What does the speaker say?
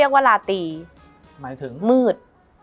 มันทำให้ชีวิตผู้มันไปไม่รอด